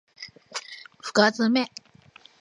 深爪